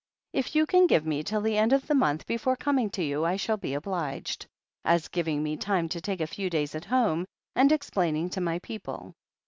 "If you can give me till the end of the month before coming to you I shall be obliged, as giving me time to take a few days at home and explaining to my people.